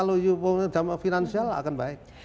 berupa pendanaan kalau finansial akan baik